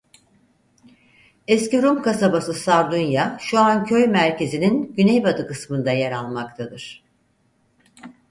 Eski Rum kasabası "Sardunya" şu an köy merkezinin güney batı kısmında yer almaktadır.